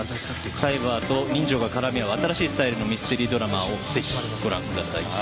サイバーと人情が絡む新しいスタイルのミステリードラマをぜひご覧ください。